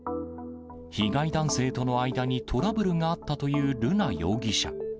被害男性との間にトラブルがあったという瑠奈容疑者。